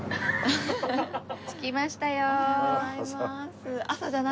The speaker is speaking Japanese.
着きましたよ。